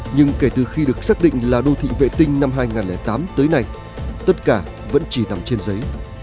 nhưng kể từ khi được xác định là đô thị vệ tinh năm hai nghìn tám tới nay tất cả vẫn chỉ nằm trên giấy